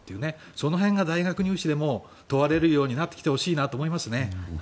その辺が大学入試でも問われるようになってほしいなと思いますね。